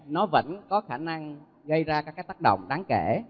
nó vẫn có khả năng gây ra các cái tác động đáng kể